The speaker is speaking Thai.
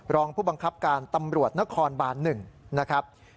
รองผู้บังคับการตำรวจนครบาน๑นะครับ